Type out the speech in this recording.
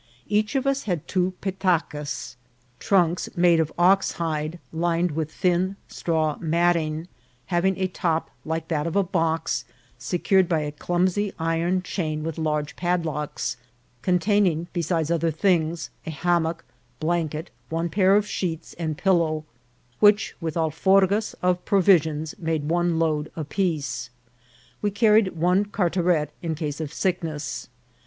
Each of us had two petacas, trunks 140 INCIDENTS OP TRAVEL. made of oxhide lined with thin straw matting, having a top like that of a box, secured by a clumsy iron chain with large padlocks, containing, besides other things, a ham mock, blanket, one pair of sheets, and pillow, which, with alforgas of provisions, made one load apiece. We carried one cartaret, in case of sickness.